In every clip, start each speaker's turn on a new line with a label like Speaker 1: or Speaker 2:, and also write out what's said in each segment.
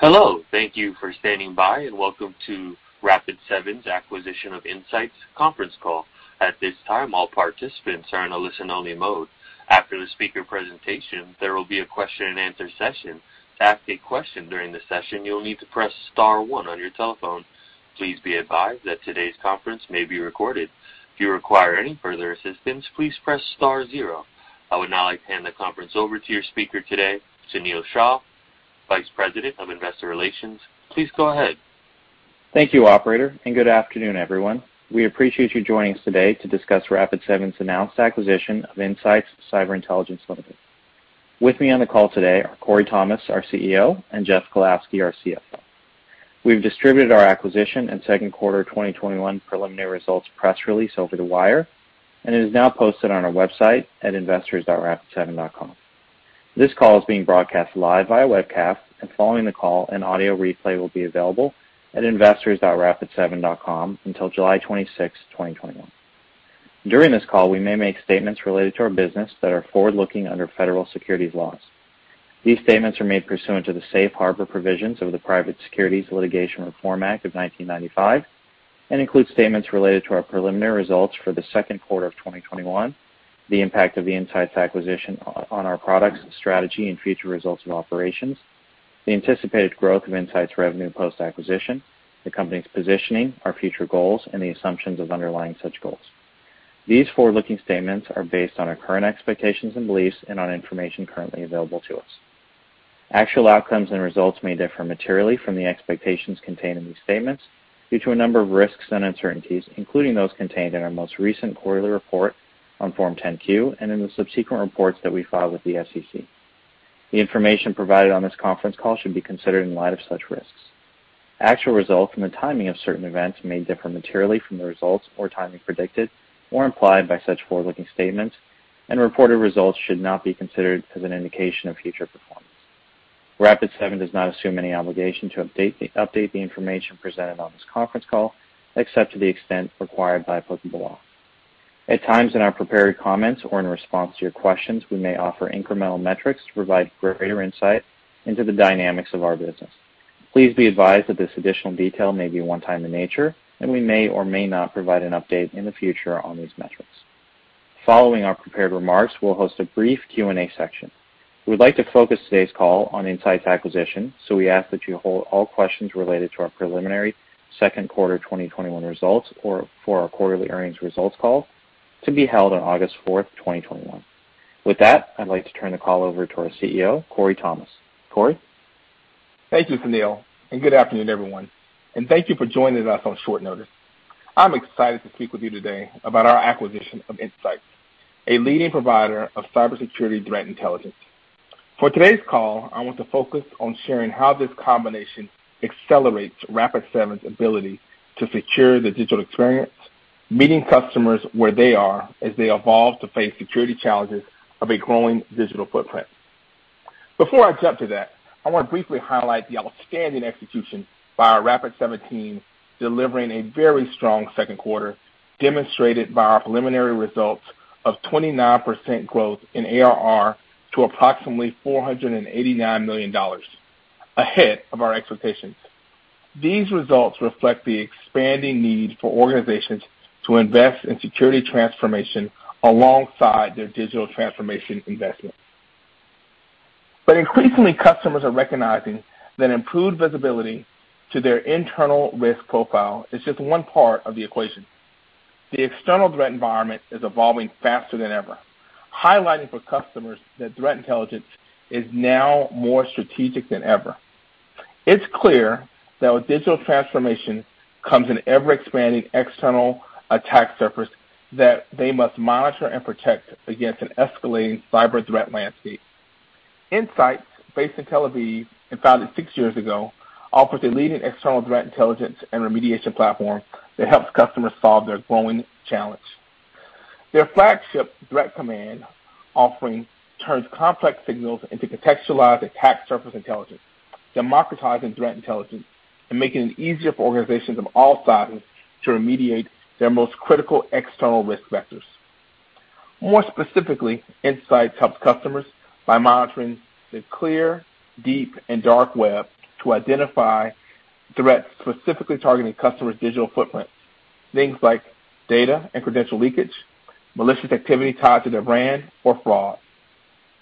Speaker 1: Hello. Thank you for standing by, and welcome to Rapid7's acquisition of IntSights conference call. At this time, all participants are in a listen-only mode. After the speaker presentation, there will be a question and answer session. To ask a question during the session, you will need to press star one on your telephone. Please be advised that today's conference may be recorded. If you require any further assistance, please press star zero. I would now like to hand the conference over to your speaker today, Sunil Shah, Vice President of Investor Relations. Please go ahead.
Speaker 2: Thank you, operator, and good afternoon, everyone. We appreciate you joining us today to discuss Rapid7's announced acquisition of IntSights Cyber Intelligence Ltd. With me on the call today are Corey Thomas, our CEO, and Jeff Kalowski, our CFO. We've distributed our acquisition in second quarter 2021 preliminary results press release over the wire, and it is now posted on our website at investors.rapid7.com. This call is being broadcast live via webcast, and following the call, an audio replay will be available at investors.rapid7.com until July 26th, 2021. During this call, we may make statements related to our business that are forward-looking under federal securities laws. These statements are made pursuant to the Safe Harbor Provisions of the Private Securities Litigation Reform Act of 1995 and include statements related to our preliminary results for the second quarter of 2021, the impact of the IntSights acquisition on our products, strategy, and future results of operations, the anticipated growth of IntSights revenue post-acquisition, the company's positioning, our future goals, and the assumptions of underlying such goals. These forward-looking statements are based on our current expectations and beliefs and on information currently available to us. Actual outcomes and results may differ materially from the expectations contained in these statements due to a number of risks and uncertainties, including those contained in our most recent quarterly report on Form 10-Q and in the subsequent reports that we file with the SEC. The information provided on this conference call should be considered in light of such risks. Actual results and the timing of certain events may differ materially from the results or timing predicted or implied by such forward-looking statements, and reported results should not be considered as an indication of future performance. Rapid7 does not assume any obligation to update the information presented on this conference call, except to the extent required by applicable law. At times in our prepared comments or in response to your questions, we may offer incremental metrics to provide greater insight into the dynamics of our business. Please be advised that this additional detail may be one-time in nature, and we may or may not provide an update in the future on these metrics. Following our prepared remarks, we'll host a brief Q&A section. We'd like to focus today's call on IntSights acquisition, so we ask that you hold all questions related to our preliminary second quarter 2021 results or for our quarterly earnings results call to be held on August 4th, 2021. With that, I'd like to turn the call over to our CEO, Corey Thomas. Corey?
Speaker 3: Thank you, Sunil, good afternoon, everyone, and thank you for joining us on short notice. I'm excited to speak with you today about our acquisition of IntSights, a leading provider of cybersecurity threat intelligence. For today's call, I want to focus on sharing how this combination accelerates Rapid7's ability to secure the digital experience, meeting customers where they are as they evolve to face security challenges of a growing digital footprint. Before I jump to that, I want to briefly highlight the outstanding execution by our Rapid7 team, delivering a very strong second quarter, demonstrated by our preliminary results of 29% growth in ARR to approximately $489 million, ahead of our expectations. These results reflect the expanding need for organizations to invest in security transformation alongside their digital transformation investments. Increasingly, customers are recognizing that improved visibility to their internal risk profile is just one part of the equation. The external threat environment is evolving faster than ever, highlighting for customers that threat intelligence is now more strategic than ever. It's clear that with digital transformation comes an ever-expanding external attack surface that they must monitor and protect against an escalating cyber threat landscape. IntSights, based in Tel Aviv and founded six years ago, offers a leading external threat intelligence and remediation platform that helps customers solve their growing challenge. Their flagship Threat Command offering turns complex signals into contextualized attack surface intelligence, democratizing threat intelligence, and making it easier for organizations of all sizes to remediate their most critical external risk vectors. More specifically, IntSights helps customers by monitoring the clear, deep, and dark web to identify threats specifically targeting customers' digital footprints, things like data and credential leakage, malicious activity tied to their brand, or fraud.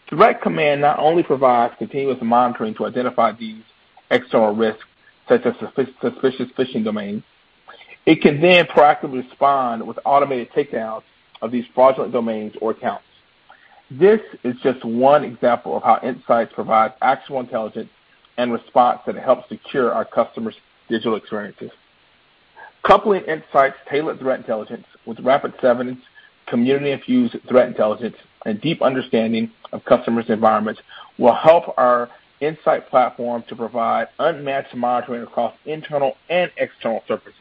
Speaker 3: Threat Command not only provides continuous monitoring to identify these external risks, such as suspicious phishing domains, it can then proactively respond with automated takedowns of these fraudulent domains or accounts. This is just one example of how IntSights provides actual intelligence and response that helps secure our customers' digital experiences. Coupling IntSights' tailored threat intelligence with Rapid7's community-infused threat intelligence and deep understanding of customers' environments will help our IntSights Platform to provide unmatched monitoring across internal and external surfaces.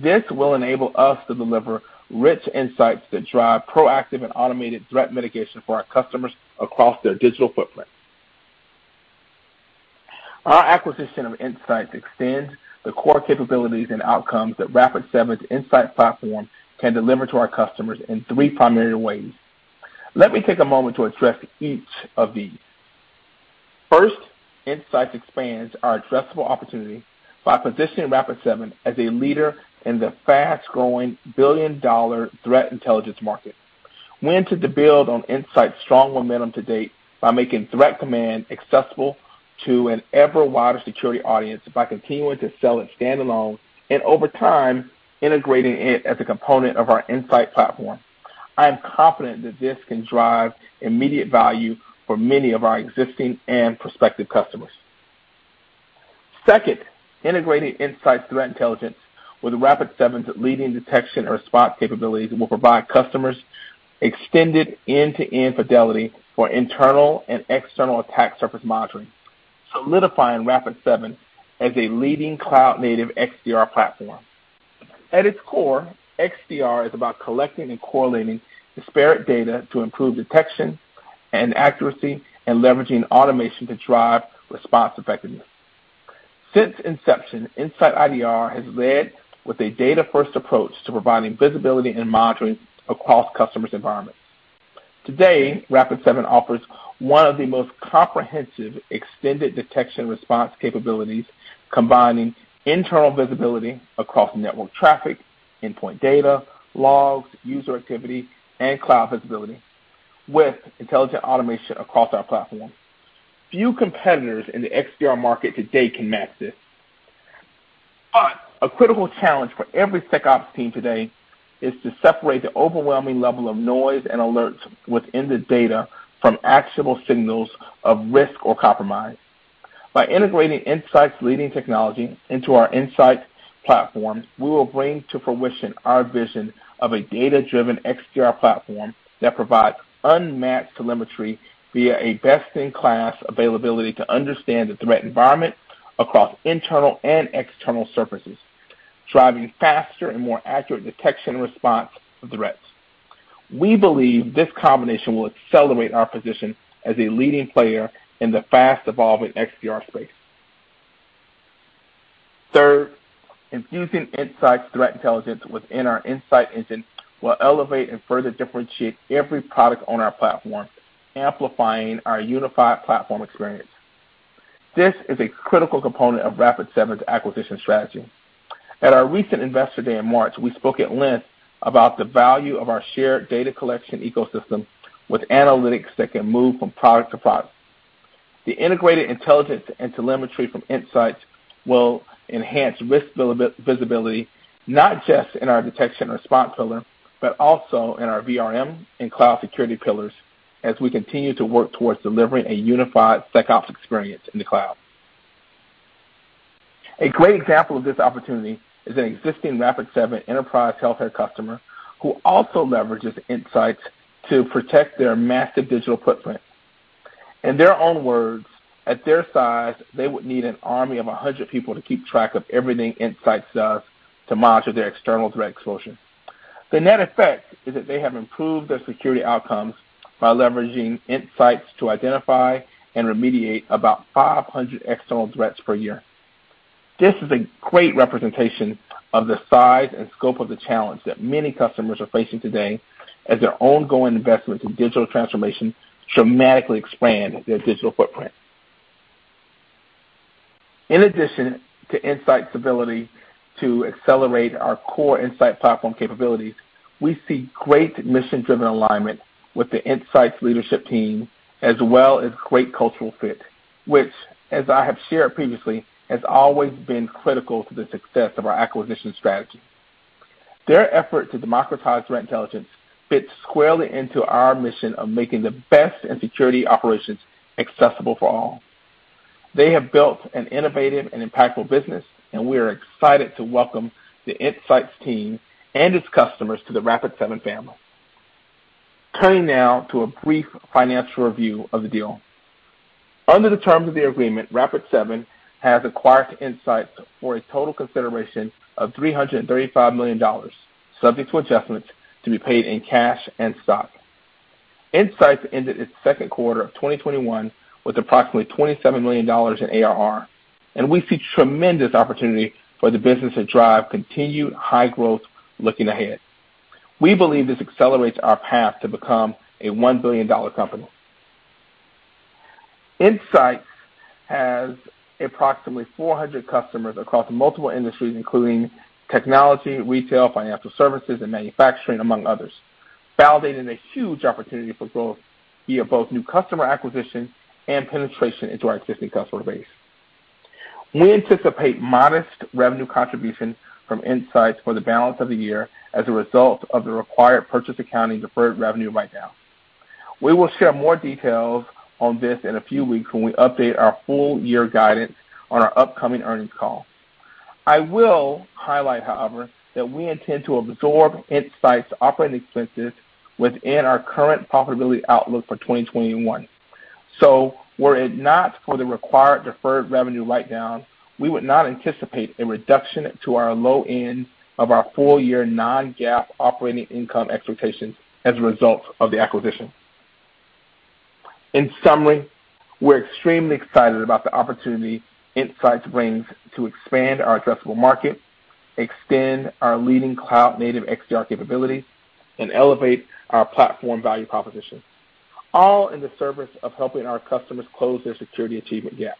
Speaker 3: This will enable us to deliver rich intSights that drive proactive and automated threat mitigation for our customers across their digital footprint. Our acquisition of IntSights extends the core capabilities and outcomes that Rapid7's IntSights Platform can deliver to our customers in three primary ways. Let me take a moment to address each of these. First, IntSights expands our addressable opportunity by positioning Rapid7 as a leader in the fast-growing billion-dollar threat intelligence market. We aim to build on IntSights's strong momentum to date by making Threat Command accessible to an ever-wider security audience by continuing to sell it standalone and over time, integrating it as a component of our IntSights Platform. I am confident that this can drive immediate value for many of our existing and prospective customers. Second, integrating IntSights's threat intelligence with Rapid7's leading detection or spot capabilities will provide customers extended end-to-end fidelity for internal and external attack surface monitoring, solidifying Rapid7 as a leading cloud-native XDR platform. At its core, XDR is about collecting and correlating disparate data to improve detection and accuracy and leveraging automation to drive response effectiveness. Since inception, IntSightIDR has led with a data-first approach to providing visibility and monitoring across customers' environments. Today, Rapid7 offers one of the most comprehensive extended detection response capabilities, combining internal visibility across network traffic, endpoint data, logs, user activity, and cloud visibility with intelligent automation across our platform. Few competitors in the XDR market today can match this. A critical challenge for every SecOps team today is to separate the overwhelming level of noise and alerts within the data from actionable signals of risk or compromise. By integrating IntSights' leading technology into our IntSights Platform, we will bring to fruition our vision of a data-driven XDR platform that provides unmatched telemetry via a best-in-class availability to understand the threat environment across internal and external surfaces, driving faster and more accurate detection response to threats. We believe this combination will accelerate our position as a leading player in the fast-evolving XDR space. Infusing IntSights' threat intelligence within our IntSights engine will elevate and further differentiate every product on our platform, amplifying our unified platform experience. This is a critical component of Rapid7's acquisition strategy. At our recent Investor Day in March, we spoke at length about the value of our shared data collection ecosystem with analytics that can move from product to product. The integrated intelligence and telemetry from IntSights will enhance risk visibility, not just in our detection response pillar, but also in our VRM and cloud security pillars as we continue to work towards delivering a unified SecOps experience in the cloud. A great example of this opportunity is an existing Rapid7 enterprise healthcare customer who also leverages IntSights to protect their massive digital footprint. In their own words, at their size, they would need an army of 100 people to keep track of everything IntSights does to monitor their external threat exposure. The net effect is that they have improved their security outcomes by leveraging IntSights to identify and remediate about 500 external threats per year. This is a great representation of the size and scope of the challenge that many customers are facing today as their ongoing investments in digital transformation dramatically expand their digital footprint. In addition to IntSights' ability to accelerate our core IntSights Platform capabilities, we see great mission-driven alignment with the IntSights leadership team, as well as great cultural fit, which, as I have shared previously, has always been critical to the success of our acquisition strategy. Their effort to democratize threat intelligence fits squarely into our mission of making the best in security operations accessible for all. They have built an innovative and impactful business, and we are excited to welcome the IntSights team and its customers to the Rapid7 family. Turning now to a brief financial review of the deal. Under the terms of the agreement, Rapid7 has acquired IntSights for a total consideration of $335 million, subject to adjustments to be paid in cash and stock. IntSights ended its second quarter of 2021 with approximately $27 million in ARR, and we see tremendous opportunity for the business to drive continued high growth looking ahead. We believe this accelerates our path to become a $1 billion company. IntSights has approximately 400 customers across multiple industries, including technology, retail, financial services, and manufacturing, among others, validating a huge opportunity for growth via both new customer acquisition and penetration into our existing customer base. We anticipate modest revenue contribution from IntSights for the balance of the year as a result of the required purchase accounting deferred revenue write-down. We will share more details on this in a few weeks when we update our full-year guidance on our upcoming earnings call. I will highlight, however, that we intend to absorb IntSights' operating expenses within our current profitability outlook for 2021. Were it not for the required deferred revenue write-down, we would not anticipate a reduction to our low end of our full-year non-GAAP operating income expectations as a result of the acquisition. In summary, we're extremely excited about the opportunity IntSights brings to expand our addressable market, extend our leading cloud-native XDR capabilities, and elevate our platform value proposition, all in the service of helping our customers close their security achievement gap.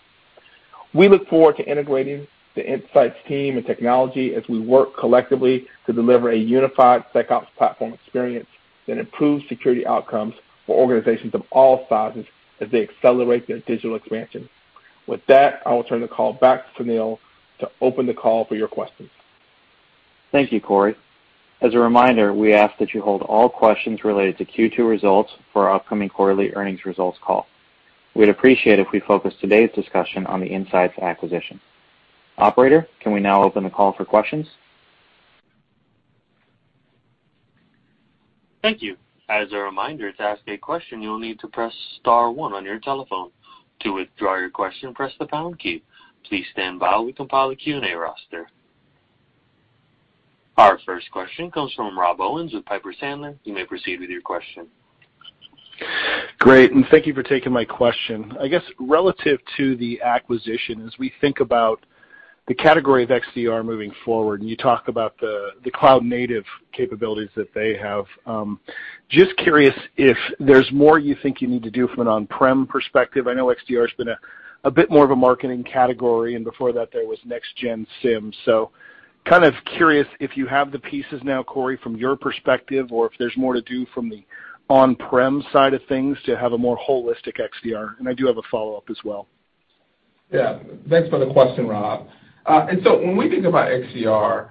Speaker 3: We look forward to integrating the IntSights' team and technology as we work collectively to deliver a unified SecOps platform experience that improves security outcomes for organizations of all sizes as they accelerate their digital expansion. With that, I will turn the call back to Sunil to open the call for your questions.
Speaker 2: Thank you, Corey. As a reminder, we ask that you hold all questions related to Q2 results for our upcoming quarterly earnings results call. We'd appreciate if we focus today's discussion on the IntSights acquisition. Operator, can we now open the call for questions?
Speaker 1: Thank you. As a reminder, to ask a question, you'll need to press star one on your telephone. To withdraw your question, press the pound key. Please standby while we compile the Q&A roster. Our first question comes from Rob Owens with Piper Sandler. You may proceed with your question.
Speaker 4: Great, thank you for taking my question. I guess relative to the acquisition, as we think about the category of XDR moving forward, you talk about the cloud-native capabilities that they have. Just curious if there's more you think you need to do from an on-prem perspective. I know XDR has been a bit more of a marketing category, before that there was next gen SIEM. Kind of curious if you have the pieces now, Corey, from your perspective or if there's more to do from the on-prem side of things to have a more holistic XDR. I do have a follow-up as well.
Speaker 3: Yeah. Thanks for the question, Rob. When we think about XDR,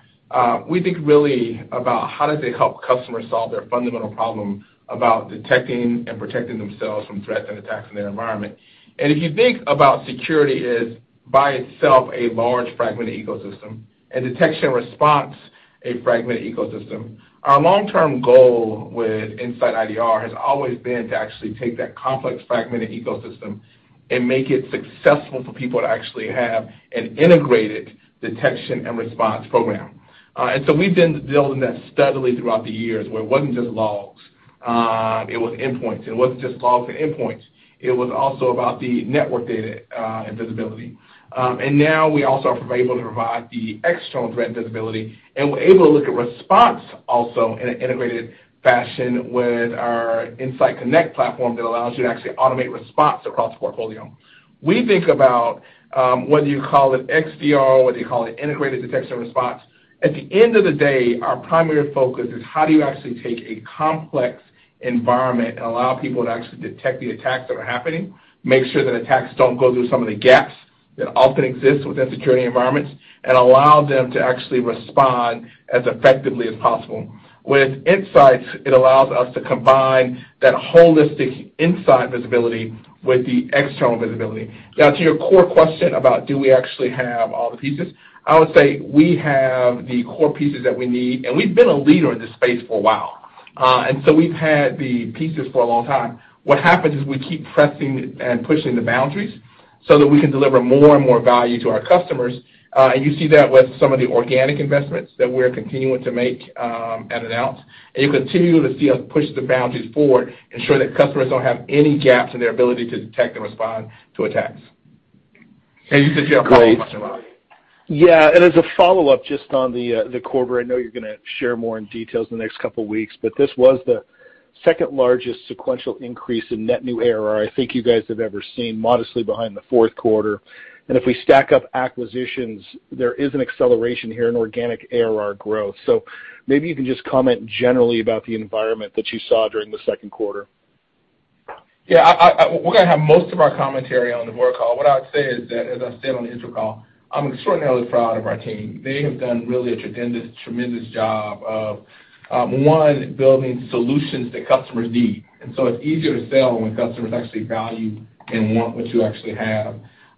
Speaker 3: we think really about how do they help customers solve their fundamental problem about detecting and protecting themselves from threats and attacks in their environment. If you think about security is by itself a large fragmented ecosystem and detection response a fragmented ecosystem. Our long-term goal with IntSightIDR has always been to actually take that complex fragmented ecosystem and make it successful for people to actually have an integrated detection and response program. We've been building that steadily throughout the years where it wasn't just logs, it was endpoints. It wasn't just logs and endpoints, it was also about the network data and visibility. Now we also are able to provide the external threat visibility, and we're able to look at response also in an integrated fashion with our IntSightConnect platform that allows you to actually automate response across the portfolio. We think about, whether you call it XDR or whether you call it integrated detection response. At the end of the day, our primary focus is how do you actually take a complex environment and allow people to actually detect the attacks that are happening, make sure that attacks don't go through some of the gaps that often exist within security environments and allow them to actually respond as effectively as possible. With IntSights, it allows us to combine that holistic inside visibility with the external visibility. Now to your core question about do we actually have all the pieces? I would say we have the core pieces that we need, and we've been a leader in this space for a while. We've had the pieces for a long time. What happens is we keep pressing and pushing the boundaries so that we can deliver more and more value to our customers. You see that with some of the organic investments that we're continuing to make and announce, and you continue to see us push the boundaries forward, ensure that customers don't have any gaps in their ability to detect and respond to attacks. You said you have a follow-up question, Rob.
Speaker 4: Yeah. As a follow-up just on the quarter, I know you're going to share more in details in the next couple of weeks, this was the second-largest sequential increase in net new ARR I think you guys have ever seen, modestly behind the fourth quarter. If we stack up acquisitions, there is an acceleration here in organic ARR growth. Maybe you can just comment generally about the environment that you saw during the second quarter.
Speaker 3: Yeah. We're going to have most of our commentary on the board call. What I would say is that, as I said on the intro call, I'm extraordinarily proud of our team. They have done really a tremendous job of, one, building solutions that customers need. It's easier to sell when customers actually value and want what you actually have.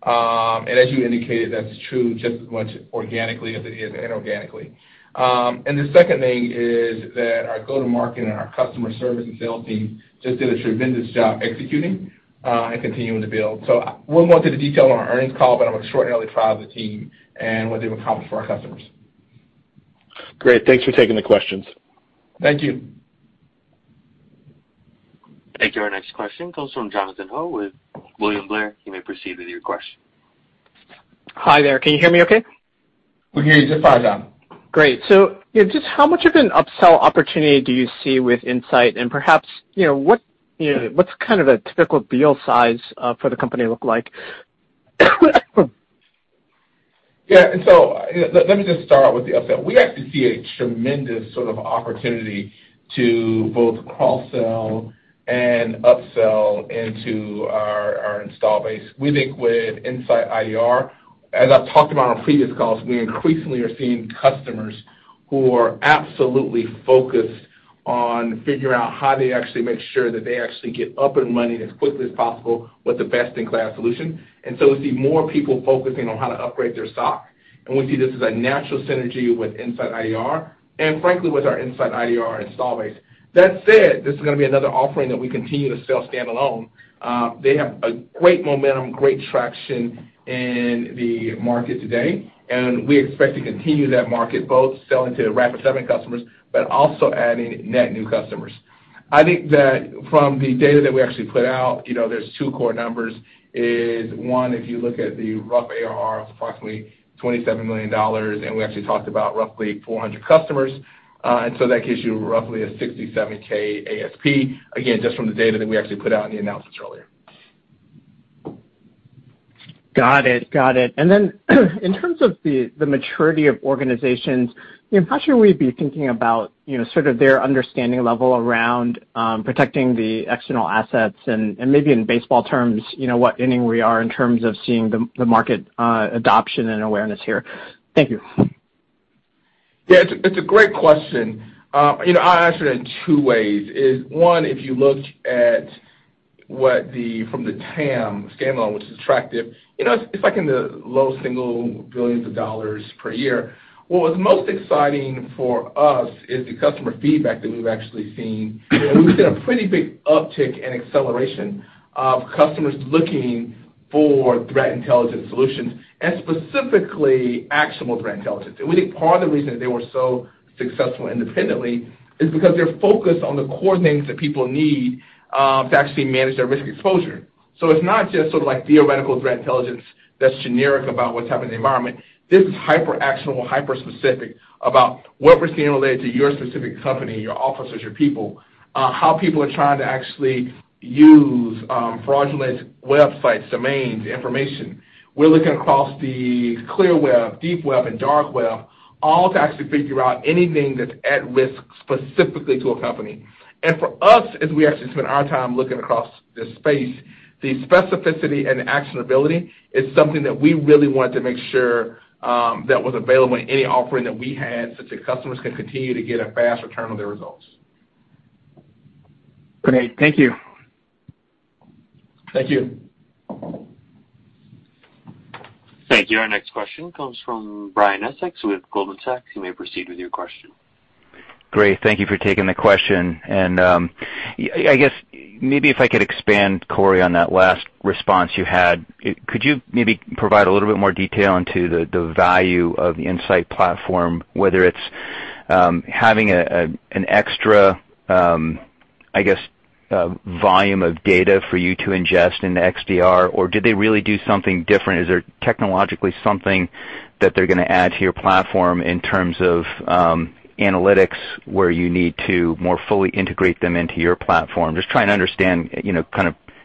Speaker 3: As you indicated, that's true just as much organically as it is inorganically. The second thing is that our go-to-market and our customer service and sales team just did a tremendous job executing, and continuing to build. We'll go into the detail on our earnings call, I'm extraordinarily proud of the team and what they've accomplished for our customers.
Speaker 4: Great. Thanks for taking the questions.
Speaker 3: Thank you.
Speaker 1: Thank you. Our next question comes from Jonathan Ho with William Blair. You may proceed with your question.
Speaker 5: Hi there. Can you hear me okay?
Speaker 3: We hear you just fine, Jonathan Ho.
Speaker 5: Great. Just how much of an upsell opportunity do you see with IntSights? Perhaps what's kind of a typical deal size for the company look like?
Speaker 3: Yeah. Let me just start with the upsell. We actually see a tremendous sort of opportunity to both cross-sell and upsell into our install base. We think with IntSightIDR, as I've talked about on previous calls, we increasingly are seeing customers who are absolutely focused on figuring out how they actually make sure that they actually get up and running as quickly as possible with a best-in-class solution. We see more people focusing on how to upgrade their SecOps, and we see this as a natural synergy with IntSightIDR and frankly with our IntSightIDR install base. That said, this is going to be another offering that we continue to sell standalone. They have a great momentum, great traction in the market today. We expect to continue that market both selling to Rapid7 customers but also adding net new customers. I think that from the data that we actually put out, there's two core numbers, is one, if you look at the rough ARR of approximately $27 million. We actually talked about roughly 400 customers. That gives you roughly a $67K ASP. Again, just from the data that we actually put out in the announcements earlier.
Speaker 5: Got it. In terms of the maturity of organizations, how should we be thinking about their understanding level around protecting the external assets and maybe in baseball terms, what inning we are in terms of seeing the market adoption and awareness here? Thank you.
Speaker 3: It's a great question. I'll answer it in two ways, is one, if you looked at from the TAM standalone, which is attractive, it's like in the low single billions of dollars per year. What was most exciting for us is the customer feedback that we've actually seen. We've seen a pretty big uptick in acceleration of customers looking for threat intelligence solutions and specifically actionable threat intelligence. We think part of the reason that they were so successful independently is because they're focused on the core things that people need to actually manage their risk exposure. It's not just theoretical threat intelligence that's generic about what's happening in the environment. This is hyper-actionable, hyper-specific about what we're seeing related to your specific company, your officers, your people, how people are trying to actually use fraudulent websites, domains, information. We're looking across the clear web, deep web, and dark web, all to actually figure out anything that's at risk specifically to a company. For us, as we actually spend our time looking across this space, the specificity and actionability is something that we really wanted to make sure that was available in any offering that we had, so that customers can continue to get a fast return on their results.
Speaker 5: Great. Thank you.
Speaker 3: Thank you.
Speaker 1: Thank you. Our next question comes from Brian Essex with Goldman Sachs. You may proceed with your question.
Speaker 6: Great. Thank you for taking the question. I guess maybe if I could expand, Corey, on that last response you had. Could you maybe provide a little bit more detail into the value of the IntSights Platform, whether it's having an extra, I guess, volume of data for you to ingest into XDR, or do they really do something different? Is there technologically something that they're going to add to your platform in terms of analytics where you need to more fully integrate them into your platform? Just trying to understand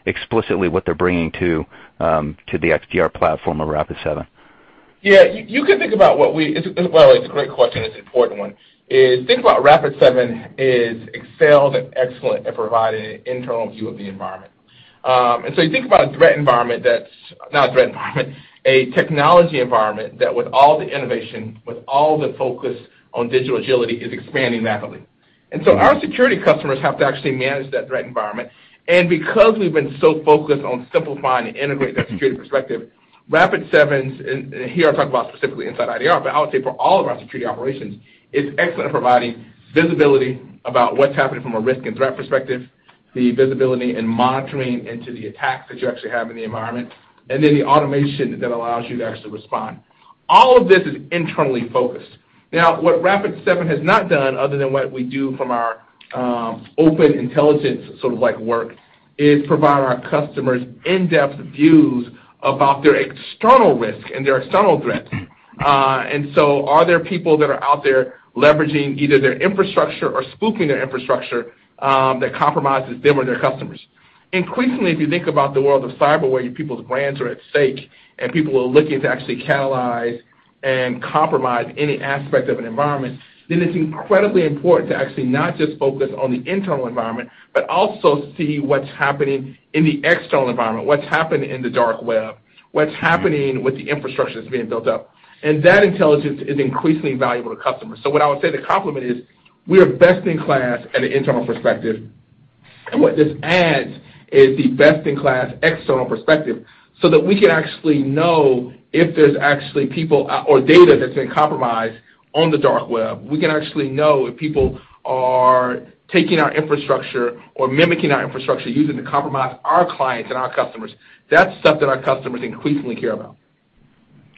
Speaker 6: explicitly what they're bringing to the XDR platform of Rapid7.
Speaker 3: Yeah, you can think about. Well, it's a great question. It's an important one, is think about Rapid7 is excelled and excellent at providing an internal view of the environment. You think about a threat environment. Not a threat environment, a technology environment that with all the innovation, with all the focus on digital agility, is expanding rapidly. Our security customers have to actually manage that threat environment. Because we've been so focused on simplifying and integrating that security perspective, Rapid7, and here I'm talking about specifically IntSightIDR, but I would say for all of our security operations, is excellent at providing visibility about what's happening from a risk and threat perspective, the visibility and monitoring into the attacks that you actually have in the environment, and then the automation that allows you to actually respond. All of this is internally focused. What Rapid7 has not done, other than what we do from our open intelligence work, is provide our customers in-depth views about their external risk and their external threats. Are there people that are out there leveraging either their infrastructure or spoofing their infrastructure that compromises them or their customers? Increasingly, if you think about the world of cyber, where people's brands are at stake and people are looking to actually catalyze and compromise any aspect of an environment, it's incredibly important to actually not just focus on the internal environment, but also see what's happening in the external environment, what's happening in the dark web, what's happening with the infrastructure that's being built up. That intelligence is increasingly valuable to customers. What I would say to complement is we are best in class at an internal perspective. What this adds is the best in class external perspective, so that we can actually know if there's actually people or data that's been compromised on the dark web. We can actually know if people are taking our infrastructure or mimicking our infrastructure, using it to compromise our clients and our customers. That's stuff that our customers increasingly care about.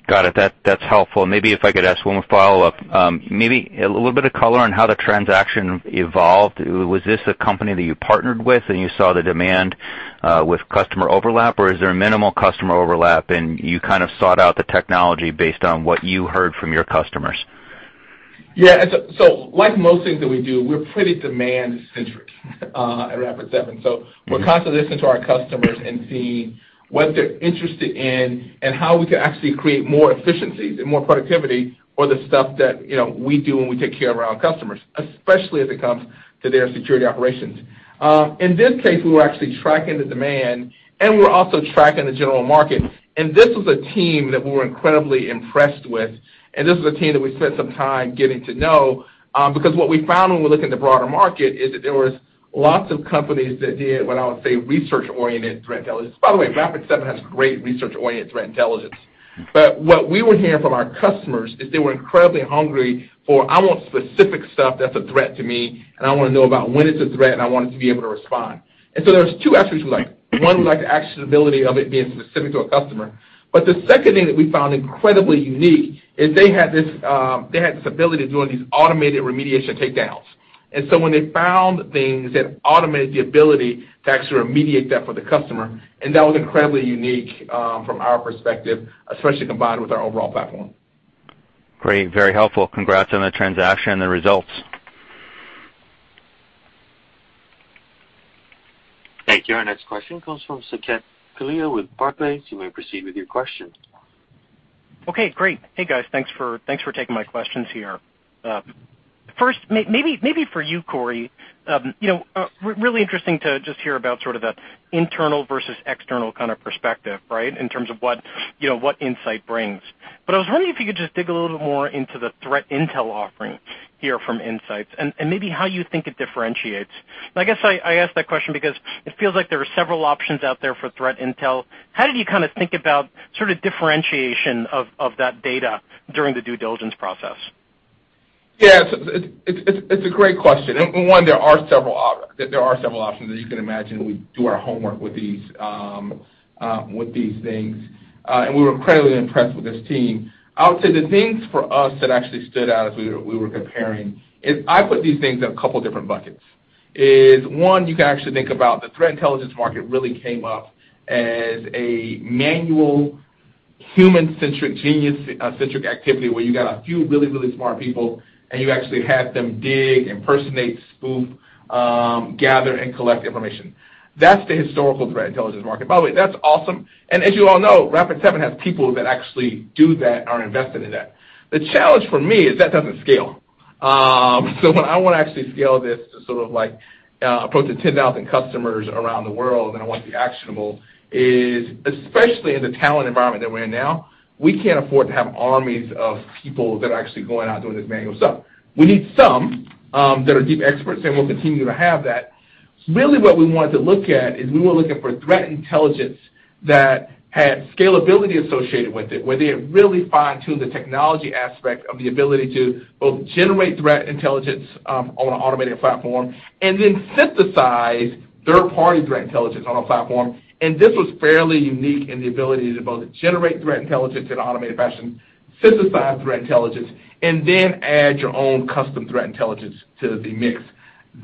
Speaker 6: Got it. That's helpful. Maybe if I could ask one more follow-up. Maybe a little bit of color on how the transaction evolved. Was this a company that you partnered with and you saw the demand, with customer overlap, or is there minimal customer overlap and you kind of sought out the technology based on what you heard from your customers?
Speaker 3: Yeah. Like most things that we do, we're pretty demand-centric at Rapid7. We're constantly listening to our customers and seeing what they're interested in and how we can actually create more efficiencies and more productivity for the stuff that we do when we take care of our customers, especially as it comes to their security operations. In this case, we were actually tracking the demand and we were also tracking the general market. This was a team that we were incredibly impressed with, and this was a team that we spent some time getting to know, because what we found when we looked in the broader market is that there was lots of companies that did, what I would say, research-oriented threat intelligence. By the way, Rapid7 has great research-oriented threat intelligence. What we would hear from our customers is they were incredibly hungry for, "I want specific stuff that's a threat to me, and I want to know about when it's a threat, and I want it to be able to respond." There's two attributes we like. One, we like the actionability of it being specific to a customer. The second thing that we found incredibly unique is they had this ability to do all these automated remediation takedowns. When they found things that automated the ability to actually remediate that for the customer, and that was incredibly unique from our perspective, especially combined with our overall IntSight Platform.
Speaker 6: Great. Very helpful. Congrats on the transaction and the results.
Speaker 1: Thank you. Our next question comes from Saket Kalia with Barclays. You may proceed with your question.
Speaker 7: Okay, great. Hey, guys. Thanks for taking my questions here. First, maybe for you, Corey. Really interesting to just hear about sort of the internal versus external kind of perspective, right, in terms of what IntSights brings. I was wondering if you could just dig a little bit more into the threat intel offering here from IntSights and maybe how you think it differentiates. I guess I ask that question because it feels like there are several options out there for threat intel. How did you think about differentiation of that data during the due diligence process?
Speaker 3: Yeah. It's a great question. One, there are several options, as you can imagine. We do our homework with these things. We were incredibly impressed with this team. I would say the things for us that actually stood out as we were comparing is, I put these things in a couple different buckets. One, you can actually think about the threat intelligence market really came up as a manual, human-centric, genius-centric activity, where you got a few really, really smart people and you actually had them dig, impersonate, spoof, gather, and collect information. That's the historical threat intelligence market. By the way, that's awesome. As you all know, Rapid7 has people that actually do that, are invested in that. The challenge for me is that doesn't scale. When I want to actually scale this to approach the 10,000 customers around the world, and I want it to be actionable, especially in the talent environment that we're in now, we can't afford to have armies of people that are actually going out doing this manual stuff. We need some that are deep experts, and we'll continue to have that. Really what we wanted to look at is we were looking for threat intelligence that had scalability associated with it, where they had really fine-tuned the technology aspect of the ability to both generate threat intelligence on an automated platform and then synthesize third-party threat intelligence on a platform. This was fairly unique in the ability to both generate threat intelligence in an automated fashion, synthesize threat intelligence, and then add your own custom threat intelligence to the mix.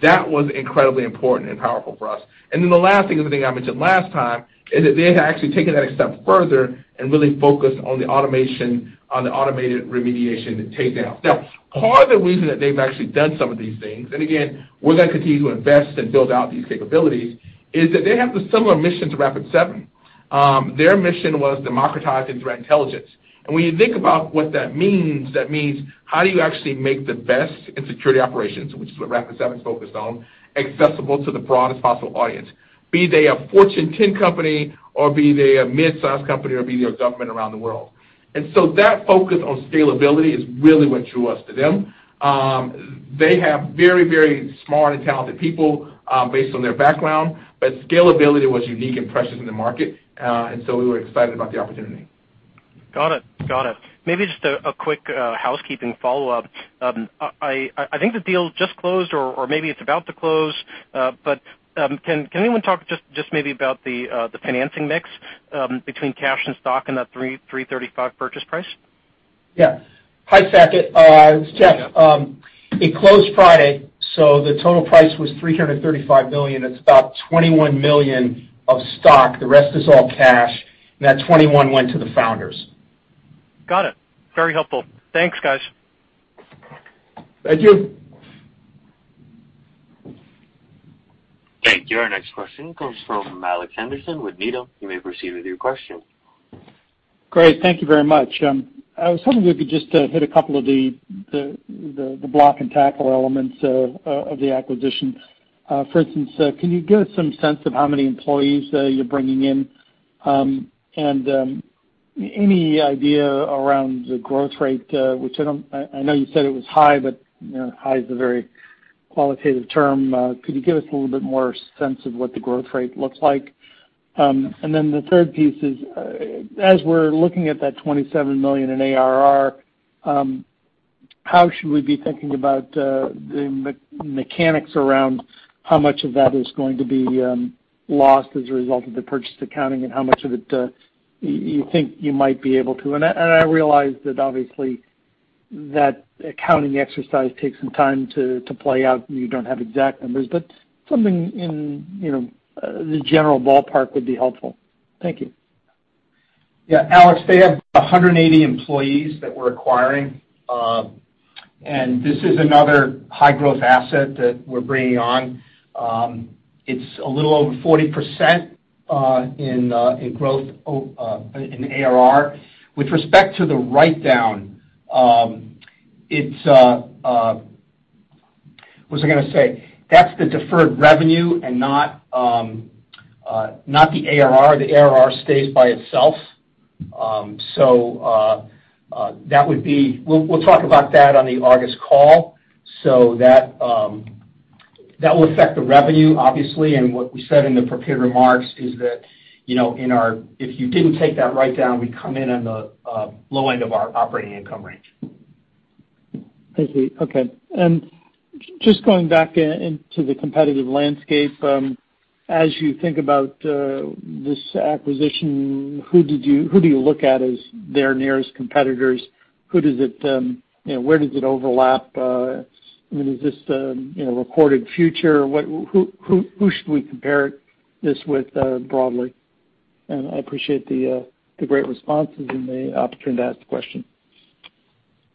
Speaker 3: That was incredibly important and powerful for us. Then the last thing is the thing I mentioned last time, is that they had actually taken that a step further and really focused on the automated remediation and take down. Now, part of the reason that they've actually done some of these things, and again, we're going to continue to invest and build out these capabilities, is that they have the similar mission to Rapid7. Their mission was democratizing threat intelligence. When you think about what that means, that means how do you actually make the best in security operations, which is what Rapid7's focused on, accessible to the broadest possible audience, be they a Fortune 10 company or be they a mid-size company or be they a government around the world. So that focus on scalability is really what drew us to them. They have very, very smart and talented people based on their background, but scalability was unique and precious in the market. We were excited about the opportunity.
Speaker 7: Got it. Maybe just a quick housekeeping follow-up. I think the deal just closed, or maybe it's about to close. Can anyone talk just maybe about the financing mix between cash and stock and that $335 purchase price?
Speaker 8: Yeah. Hi, Saket. It's Jeff.
Speaker 7: Yeah.
Speaker 8: It closed Friday. The total price was $335 million. It's about $21 million of stock. The rest is all cash. That $21 went to the founders.
Speaker 7: Got it. Very helpful. Thanks, guys.
Speaker 3: Thank you.
Speaker 1: Thank you. Our next question comes from Alex Henderson with Needham. You may proceed with your question.
Speaker 9: Great. Thank you very much. I was hoping you could just hit a couple of the block-and-tackle elements of the acquisition. For instance, can you give us some sense of how many employees you're bringing in? Any idea around the growth rate, which I know you said it was high, but high is a very qualitative term. Could you give us a little bit more sense of what the growth rate looks like? Then the third piece is, as we're looking at that $27 million in ARR, how should we be thinking about the mechanics around how much of that is going to be lost as a result of the purchase accounting, and how much of it you think you might be able to. I realize that obviously that accounting exercise takes some time to play out, and you don't have exact numbers, but something in the general ballpark would be helpful. Thank you.
Speaker 8: Yeah, Alex, they have 180 employees that we're acquiring. This is another high-growth asset that we're bringing on. It's a little over 40% in growth in ARR. With respect to the write-down, what was I going to say? That's the deferred revenue and not the ARR. The ARR stays by itself. We'll talk about that on the August call. That will affect the revenue, obviously, and what we said in the prepared remarks is that if you didn't take that write-down, we'd come in on the low end of our operating income range.
Speaker 9: I see. Okay. Just going back into the competitive landscape. As you think about this acquisition, who do you look at as their nearest competitors? Where does it overlap? Is this Recorded Future? Who should we compare this with broadly? I appreciate the great responses and the opportunity to ask the question.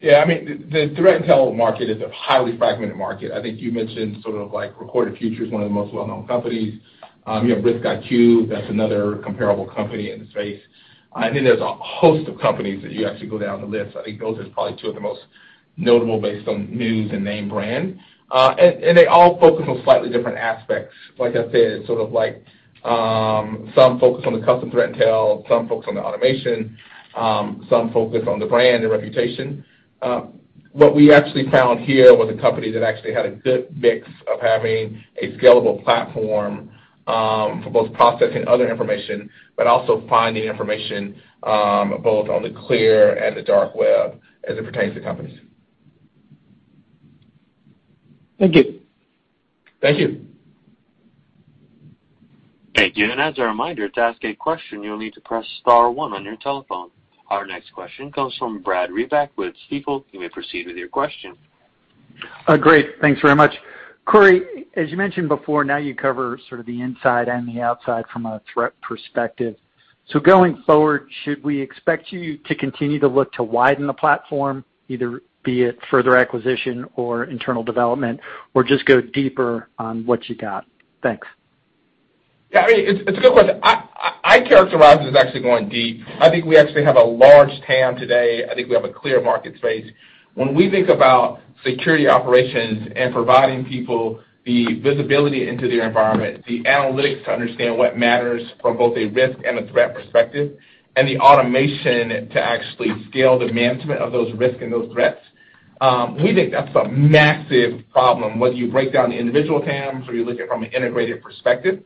Speaker 3: Yeah. The threat intel market is a highly fragmented market. I think you mentioned Recorded Future is one of the most well-known companies. You have RiskIQ, that's another comparable company in the space. There's a host of companies that you actually go down the list. I think those is probably two of the most notable based on news and name brand. They all focus on slightly different aspects. Like I said, some focus on the custom threat intel, some focus on the automation, some focus on the brand and reputation. What we actually found here was a company that actually had a good mix of having a scalable platform, for both processing other information, but also finding information, both on the clear and the dark web as it pertains to companies.
Speaker 9: Thank you.
Speaker 3: Thank you.
Speaker 1: Thank you. As a reminder, to ask a question, you'll need to press star one on your telephone. Our next question comes from Brad Reback with Stifel. You may proceed with your question.
Speaker 10: Great. Thanks very much. Corey, as you mentioned before, now you cover sort of the inside and the outside from a threat perspective. Going forward, should we expect you to continue to look to widen the platform, either be it further acquisition or internal development, or just go deeper on what you got? Thanks.
Speaker 3: Yeah, it's a good question. I characterize this as actually going deep. I think we actually have a large TAM today. I think we have a clear market space. When we think about security operations and providing people the visibility into their environment, the analytics to understand what matters from both a risk and a threat perspective, and the automation to actually scale the management of those risks and those threats, we think that's a massive problem, whether you break down the individual TAMs or you look at it from an integrated perspective.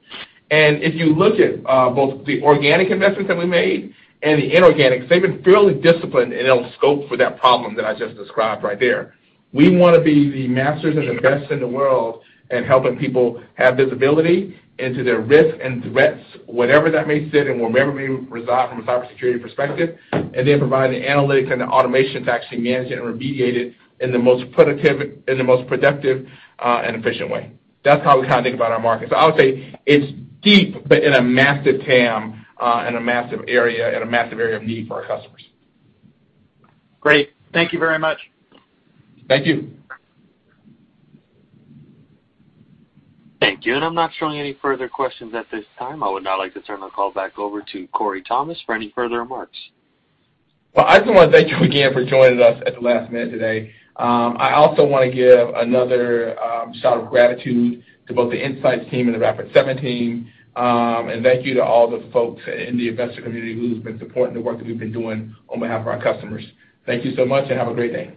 Speaker 3: If you look at both the organic investments that we made and the inorganics, they've been fairly disciplined, and it'll scope for that problem that I just described right there. We want to be the masters and the best in the world in helping people have visibility into their risks and threats, whatever that may sit and wherever we resolve from a cybersecurity perspective, and then provide the analytics and the automation to actually manage it or remediate it in the most productive and efficient way. That's how we think about our market. I would say it's deep, but in a massive TAM, and a massive area of need for our customers.
Speaker 10: Great. Thank you very much.
Speaker 3: Thank you.
Speaker 1: Thank you. I'm not showing any further questions at this time. I would now like to turn the call back over to Corey Thomas for any further remarks.
Speaker 3: Well, I just want to thank you again for joining us at the last minute today. I also want to give another shout of gratitude to both the IntSights team and the Rapid7 team. Thank you to all the folks in the investor community who's been supporting the work that we've been doing on behalf of our customers. Thank you so much and have a great day.